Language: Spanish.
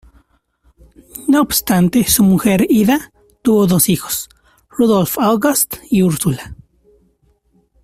No obstante, su mujer, Ida, tuvo dos hijos: Rudolf August y Ursula.